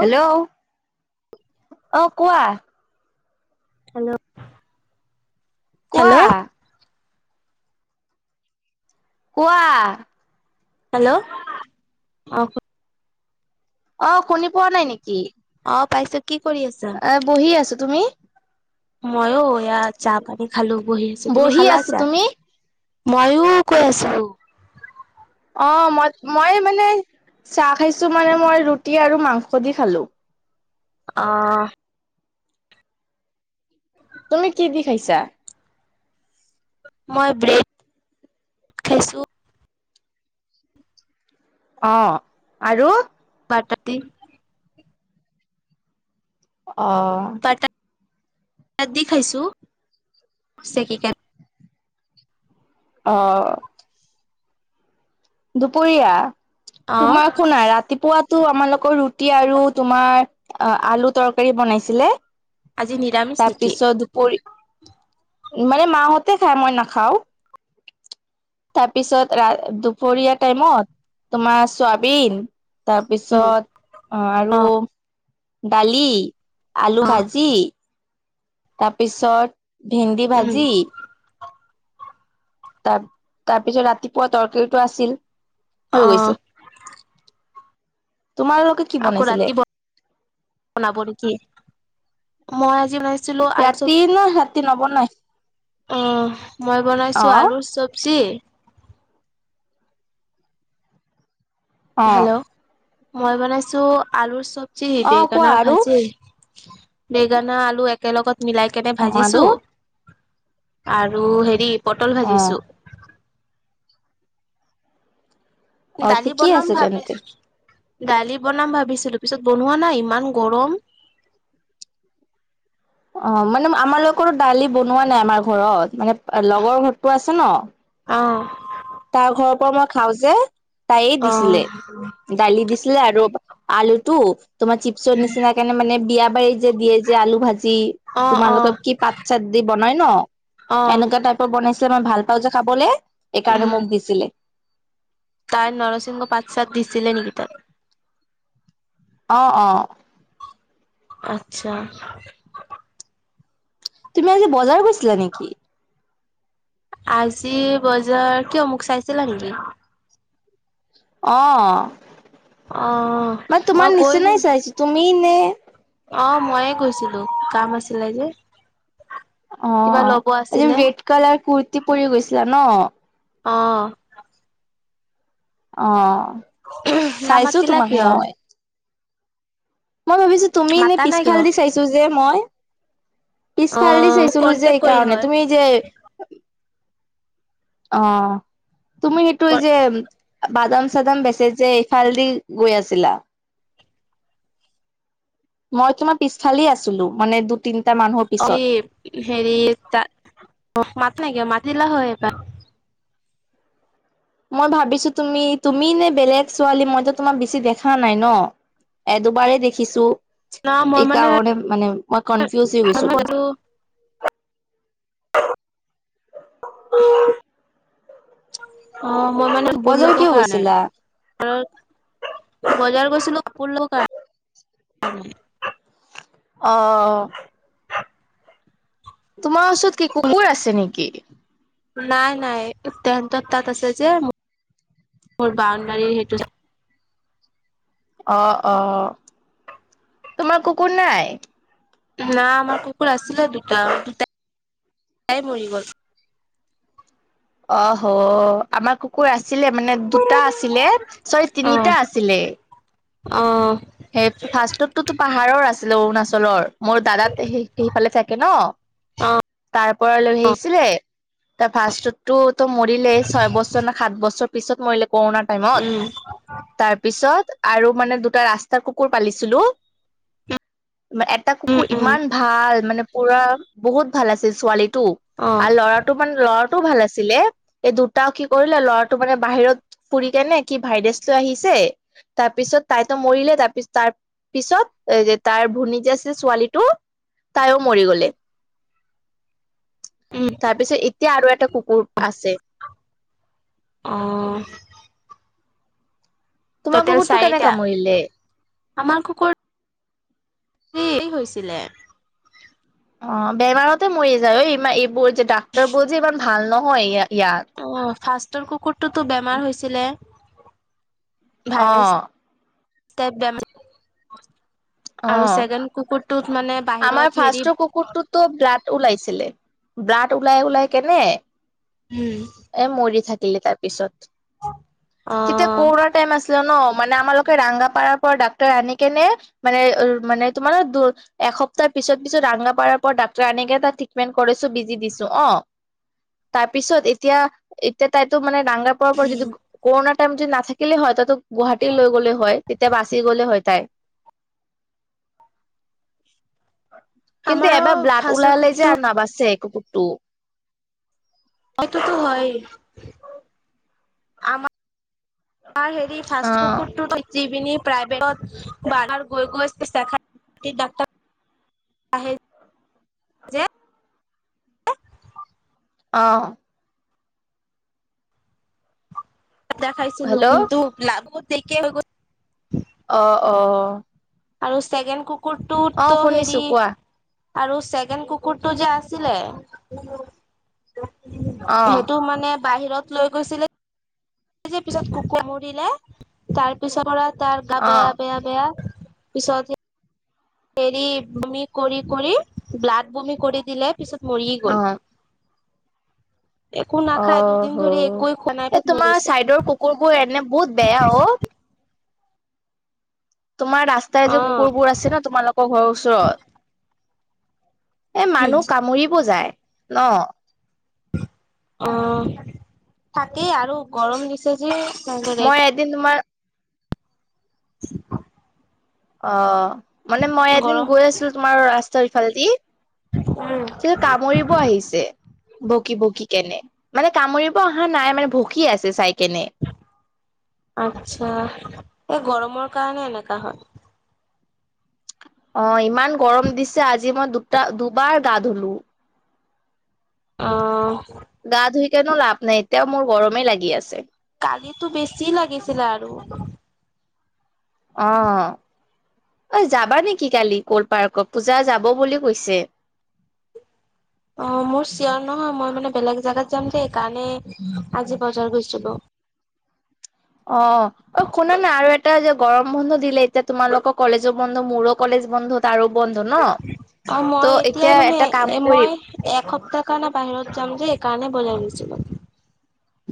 Hello অ কোৱা hello কোৱা? হেল্ল' কোৱা? হেল্ল' অ ক- অ শুনি পোৱা নাই নেকি অ পাইছো কি কৰি আছা আহ বহি আছো তুমি মইয়ো ইয়াত চাহ পানী খালো বহি আছো তুমি বহি খালা আছো চাহ তুমি [unintelligible] মইয়ো কৈ আছো অ মই মই মানে চাহ খাইছো মানে মই ৰুটি আৰু মাংস দি খালো অহ তুমি কি দি খাইছা মই ব্ৰেড খাইছো অ আৰু আটা দি অহ ভাত দি খাইছো চিকেন অহ দুপৰীয়া অ তোমাৰ শুনা ৰাতিপুৱা তো আমাৰ লগৰ ৰুটি আৰু তোমাৰ আলু তৰকাৰী বনাইছিলে আজি নিৰামিষ নেকি তাৰপিছত দুপৰি মানে মাহঁতে খায় মই নাখাওঁ তাৰপিছত দুপৰীয়া টাইমত তোমাৰ ছয়াবিন [unintelligible] উম তাৰপিছত অ আৰু দালি আলু অ ভাজি তাৰপিছত ভেন্দি উম ভাজি তাৰ তাৰপিছত ৰাতিপুৱা তৰকাৰীটো আছিল হৈ গৈছে আহ তোমালোকে কি আকৌ বনাইছিলে ৰাতি বনাব নেকি মই আজি বনাইছিলো আলু চব ৰাতি ন ৰাতি নবনাই অ মই বনাইছো অ' আলুৰ চব্জি অ' হেল্ল' মই বনাইছো আলুৰ চব্জি অ' কোৱা বেগেনা আৰু ভাজি বেঙেনা আলু একেলগত মিলাই কেনে অ' আৰু ভাজিছো আৰু হেৰি পটল অ' ভাজিছো অ' দালি ঠিকেই বনাম আছে তেন্তে ভাবিছো দালি বনাম ভাবিছিলো পিছত বনোৱা নাই ইমান গৰম [inaudible] অ মানে আমাৰলোকৰ দালি বনোৱা নাই আমাৰ ঘৰত মানে লগৰ ঘৰতো আছে ন অঁহ তাৰ ঘৰৰ পৰা মই খাওঁ যে তাই অ', দিছিলে দালি দিছিলে আৰু আলুটো তোমাৰ চিপছৰ নিচিনা কাৰণে মানে বিয়া বাৰী যে দিয়ে যে আলু ভাজি [unintelligible] অ', তোমালোক অ', কি পাত চাত দি বনাই বনাই ন অ', এনেকুৱা টাইপৰ বনাইছে মই ভাল পাওঁ যে খাবলে এইকাৰণে উম, মোক দিছিলে তাই নৰসিংহ পাত চাত দিছিলে নেকি তাত অহ অহ আচ্ছা তুমি আজি বজাৰ গৈছিলা নেকি আজি বজাৰ কিয়মোক চাইছিলা নেকি অ অ', মানে মই তোমাৰ গৈ নিচিনাই চাইছো তুমি নে অ ময়ে কৈছিলো কাম আছিলে যে [unintelligible] কিবা অহ ল'ব এইযোৰ আছিলে ৰেড কালাৰ কুুৰ্তি পৰি গৈছিলা ন অহ অ চাইছো নামাতিলা তোমাক কিয় মই মই ভাবিছো তুমি এনে মাতা নাই পিছফাল কিয়? দি চাইছো যে মই অ পিছফালে দি চাইছিলো যে কন্টেক এই কৰিল কাৰণে হয় তুমি যে অ, তুমি সেইটোৱে যে, বাদাম-চাদাম বেচে যে ইফাল দি গৈ আছিলা। মই তোমাৰ পিছফালে আছিলো মানে দু তিন, এই হেৰি ত মাত নাই কিয় মাত দিলা হয় এবাৰ। মই ভাবিছো তুমি তুমি নে বেলেগ ছোৱালী মইতো তোমাক বেছি দেখা নাই ন? এ, দুবাৰেই দেখিছো। ন মই মানে এইকাৰণে মানে মই [unintelligible] [unintelligible] হৈ গৈছিলো অ, মই মানে পোৰ বজাৰ লোকৰ কিয় কাৰণে গৈছিলা বজাৰ [unintelligible] গৈছিলোঁ কাপোৰ লবৰ কাৰণে। অ। তোমাৰ ওচৰত কি কুকুৰ আছে নেকি? নাই, নাই তেহেতৰ তাত আছে যে, মোৰ বাউণ্ডাৰীৰ সেইটো। অ, অ, তোমাৰ কুকুৰ নাই? না, আমাৰ কুকুৰ আছিলে দুটা। দুটা তাই মৰি গল। অ হ, আমাৰ কুকুৰ আছে। আছিলে মানে দুটা আছিলে, চৰি অ তিনিটা আছিলে। অ। সেই ফাৰ্ষ্টতটোতো পাহাৰৰ আছিলে অৰুণাচলৰ। মোৰ দাদাত সে সেইফালে থাকে ন, অ তাৰ পৰা লৈ আহিছিলে। তাৰ ফাষ্ট ৰ টো মৰিলেই ছয় বছৰ ন সাত বছৰ পিছত মৰিলে। কৰোণা টাইমত। উম তাৰপিছত আৰু মানে দুটা ৰাস্ত কুকুৰ পালিছিলো। এটা উম কুকুৰ উম ইমান ভাল। মানে পুৰা বহুত ভাল আছিল ছোৱালীতও অ আৰু ল'ৰাটো মানে লৰা টো ভাল আছিলে। এই দুটা কি কৰিলে ল'ৰাটো মানে বাহিৰত ফুৰি কেনে কি ভাইৰাছ লৈ আহিছে তাৰপিছত তাই তো মৰিলে। তাৰ পিছ তাৰ পিছত এ যে তাৰ ভনী যে আছে ছোৱালীটো তাইও মৰি গলে। [unintelligible] উম তাৰ পিছত এতিয়া আৰু এটা কুকুৰ আছে। আহ। তোমাৰ টোটেল কুকুৰটো চাৰিটা। কেনেকা মৰিলে আমাৰ কুকুৰ সেৰি হৈছিলে। অ, বেমাৰতে মৰি যায় ঐ ই এইবোৰ যে ডাক্তৰ বোৰ যে ইমান ভাল নহয় ইয়াত। অ, ফাষ্টৰ কুকুৰটোতো বেমাৰ হৈছিলে। অ। ভাইৰাছ আৰু অ চেকেণ্ড কুকুৰটোত মানে [unintelligible] আমাৰ হেৰি ফাৰ্ষ্ট কুকুৰটোতো ব্লাড ওলাইছিলে ব্লাড ওলাই ওলাই কেনে, উম এ মৰি থাকিলি তাৰ পিছত। অ তেতিয়া কৰুনা টাইম আছিলে ন। মানে আমালোকে ৰাঙা পাৰাৰ পৰা ডাক্তাৰ আনি কেনে মানে উ মানে তোমালোকৰ এসপ্তাহ পিছত পিছত ৰাংগাপাৰ পৰা ডাক্তৰ আনেকে এটা ট্ৰিটমেণ্ট কৰিছো বিজি দিছো অ। তাৰপিছত এতিয়া এতিয়া তাইতো মানে ৰাঙা পাৰ পৰা যদি কৰোণা টাইম যদি নাথাকিলে হয় তাতো গুৱাহাটী লৈ গ'লেই হয়। তেতিয়া বাচি গ'লে হৈ তাই। কিন্তু আমাৰো এবাৰ ব্লাট ফাৰ্ষ্টৰ ওলালে যে কুকুৰটো আৰু ন বাচছে কুকুৰটো। এইটোতো হয়। আমাৰ ত হেৰি ফাষ্ট কুকুৰটো জিৱিনী প্ৰাইভেটত বাৰাৰ গৈ গৈখাই ডাক্টৰ [unintelligible] আহে যে অঁ দেখাইছিলো হেল্ল' কিন্তু লাগু দেৰিকে হৈ গ'ল। অ অ আৰু ছেকেণ্ড কুকুৰটো অ তো হেৰি শুনিছো কোৱা আৰু ছেকেণ্ড কুকুৰটো যে আছিলে অ সেইটো মানে বাহিৰত লৈ গৈছিলে। পিছত কুকুৰ মৰিলে তাৰ পিছৰ পৰা তাৰ গা অ বেয়া বেয়া বেয়া। পিছত হে এৰি বুমি কৰি কৰি ব্লাড বুমি কৰি দিলে পিছত মৰি অ গ'ল একো অ নাখায় দুদিন হ ধৰি একোৱে খোৱা নাই এই পিছত মৰি তোমাৰ গৈছে চাইডৰ কুকুৰবোৰ এনে বহুত বেয়া অ তোমাৰ ৰাস্তাই যে অ', কুকুৰবোৰ আছে ন তোমালোকৰ ঘৰৰ ওচৰত এ মানুহ কামুৰিব যায়। ন অ থাকেই আৰু গৰম দিছে। যে তাৰে মই এদিন তোমাৰ- [inaudible] অ মানে মই এদিন গৰম গৈ আছিলো তোমাৰ ৰাস্তাৰ ইফালেদি উম। ত কামুৰিব আহিছে। বকি বকি কেনে। মানে কামুৰিব অহা নাই মানে ভকি আছে চাই। কেনে আত্ছা এই গৰমৰ কাৰণে এনেকা হয়। অ ইমান গৰম দিছে আজি মই দুটা দুবাৰ গা ধুলো। অ গা ধুই কেনো লাভ নাই এতিয়াও মোৰ গৰমেই লাগি আছে। কালিটো বেছি লাগিছিলে আৰু। আহ অ যাবা নেকি কালিকল পাৰ্কত? পূজা যাব বুলি কৈছে। অ মোৰ চিঅৰ নহয়। মই মানে বেলেগ জাগাত যাম যে। সেইকাৰণে আজি বজাৰ গৈছিলো। অ [inaudible] অ অ শুনা নাই আৰু এটা যে গৰম বন্ধ দিলে এতিয়া তোমালোকৰ কলেজো বন্ধ মোৰো কলেজ বন্ধ। তাৰো ন অ ত' মই এতিয়াই এতিয়া মানে এটা কাম এ মই কৰিম এসপ্তাহ কাৰণে বাহিৰত যাম যে এই কাৰণে বজাৰ গৈছো। [inaudible]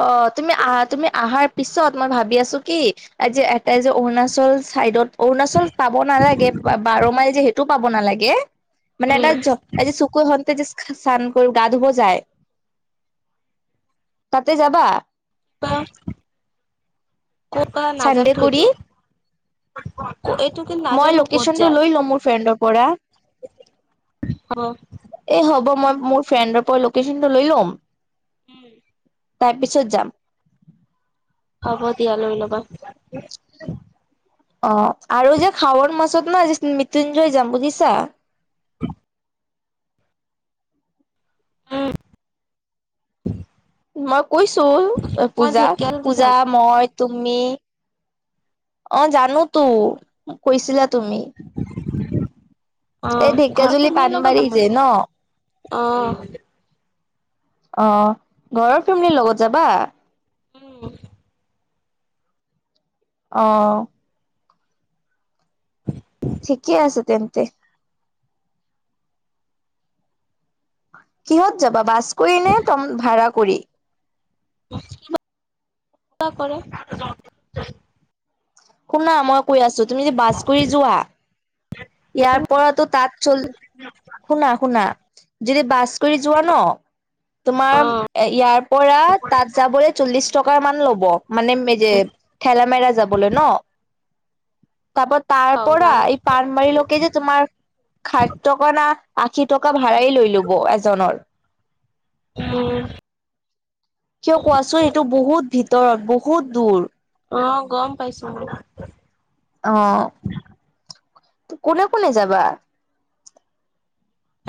অ তুমি আহা তুমি আহাৰ পিছত মই ভাবি আছো কি আ যে এটাই যে অৰুণাচল চাইদত অৰুণাচল পাব নালাগে বাৰ মাইল যে সেইটো পাব নালাগে। মানে এটা য এ যে শুক হন্ততে যে - চানপূৰ গা ধুব যায়। তাতে যাবা? আহ ক'ত বা নাজানো চানডে টো কৰি ইটো। মই লোকেশ্যনটো লৈ লওঁ মোৰ ফ্ৰেণ্ডৰ পৰা। হ'ব। এ হ'ব মই মোৰ ফ্ৰেণ্ডৰ পৰা লোকেশচনটো লৈ ল'ম। উম তাৰ পিছত যাম। হব দিয়া লৈ লবা। অহ আৰু যে খাৱৰ মাছত ন মৃত্যুঞ্জয় যাম বুজিছা। উম মই কৈছো মই পূজাক ঢেকীয়াজুলি যাম। পূজা মই তুমি অহ জানোতো কৈছিলা তুমি। এই অহ। ঘৰৰ ঢেকীয়াজুলি ফেমিলিৰ লগত পাণবাৰী যাম যে বোলো। ন অহ। অহ ঘৰৰ ফেমিলিৰ লগত যাবা? উম। অহ ঠিকে আছে তেন্তে। কিহত যাবা বাছ কৰি নে তম ভাড়া কৰি। কৰে শুনা মই কৈ আছো তুমি যে বাছ কৰি যোৱা? ইয়াৰ পৰাতো তাঁত চল শুনা শুনা যদি বাছ কৰি যোৱা ন। তোমাৰ ইয়াৰ পৰা তাত যাবলে চল্লিশ টকা মান ল'ব। মানে মেজে ঠেলামেৰা যাবলে ন। তাপা তাৰ অ পৰা জানো এই পাণমাৰী লৈকে যে তোমাৰ খাদ্যকনা আখি টকা ভাড়াই লৈ লব এজনৰ। উম। কিয় কোৱাচোন এইটো বহুত ভিতৰত বহুত দূৰ। অহ গম পাইছো। অহ কোনে কোনে যাবা?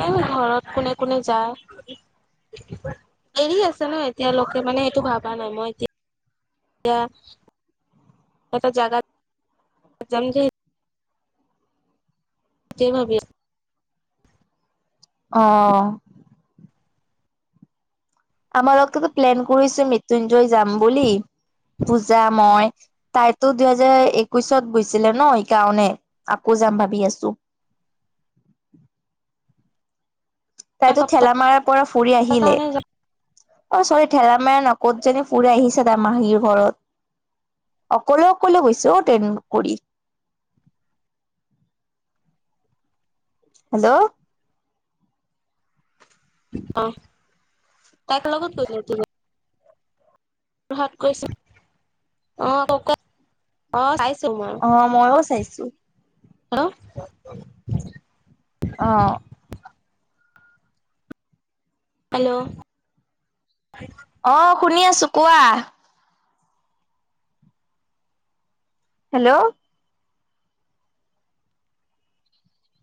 এ ঘৰত কোনে কোনে যায়। এৰি আছে ন এতিয়ালোকে মানে সেইটো ভাবা নাই মই এতিয়া এয়া এটা জাগাত যামদেই তাতে ভাবি আছো অহ। আমাৰ লগততো প্লেন কৰিছে মৃত্যুঞ্জয় যাম বুলি। পূজা মই তাইতো দুইহেজাৰ একৈশত গৈছিলে ন সেইকাৰণে আকৌ যাম ভাবি আছো। [unintelligible] তাইতো এসপ্তাহৰ ঠেলামাৰাৰ পৰা ফুৰি আহিলে। কাৰণে যাম অহ চৰি ঠেলামৰা ন। ক'তজনী ফুৰি আহিছে তাৰ মাহীৰ ঘৰত। অকলে অকলে গৈছোঁ ট্ৰেন কৰি। [unintelligible] হেল্ল'। অহ কাক [unintelligible] লগত [unintelligible] অহ মইও চাইছো। হেল্ল'। অ হেল্ল'। অহ শুনি আছো কোৱা। হেল্ল'।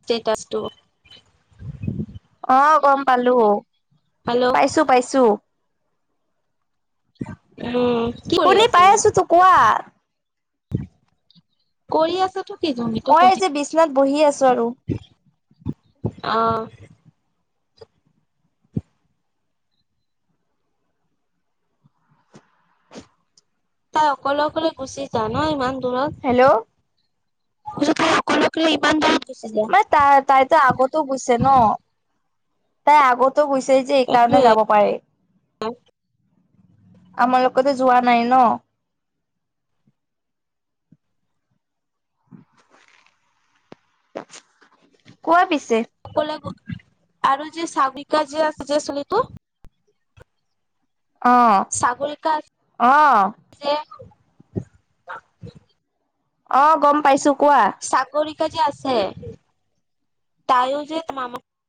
ষ্টেটাছটো। অ গম পালোঁ। হেল্ল' পাইছোঁ পাইছোঁ। উম। কি কৰি শুনি আছা পাই তুমি আছোঁ টো কোৱা। কৰি আছোঁ তো মই এই যে বিচনাত বহি আছো আৰু অঁ তাই অকলে অকলে গুচি যায় ন ইমান দূৰত হেল্ল' [unintelligible] মানে তাই তাইতো আগতো গৈছে ন। তাই আগত গৈছে যে এই কাৰণে সেইটোৱে যাব পাৰে। আমাৰ লগতে যোৱা নাই ন। কোৱা পিছে। অকলে আৰু যে চাবিকা যে আছে যে ছলিতো। অ ছাগলী কা অ যে। অ গম পাইছোঁ। চাকৰিকা যে আছে তায়ো যে মামা